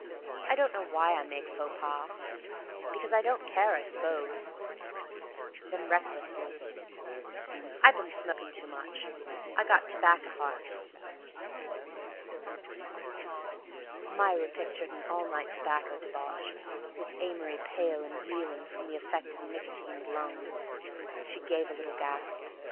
I don't know why I make faux pas. 'Cause I don't care, I s'pose." Then, recklessly: "I been smoking too much. I've got t'bacca heart." Myra pictured an all night tobacco debauch, with Amory pale and reeling from the effect of nicotined lungs. She gave a little gasp.